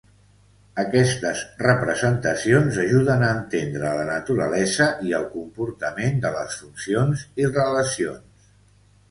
Aquestes representacions ajuden a entendre la naturalesa i el comportament de les funcions i relacions.